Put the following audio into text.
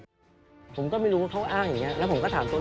ผมก็ไม่รู้เขาอ้างอย่างนี้แล้วผมก็ถามเขา